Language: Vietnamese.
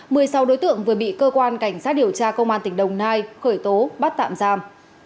một mươi sáu đối tượng vừa bị cơ quan cảnh sát điều tra công an tỉnh đồng nai khởi tố bắt tạm giam